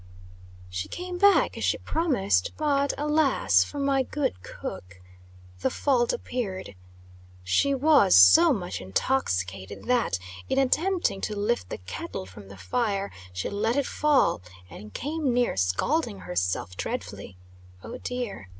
She came back, as she promised, but, alas for my good cook! The fault appeared. She was so much intoxicated that, in attempting to lift the kettle from the fire, she let it fall, and came near scalding herself dreadfully. Oh, dear!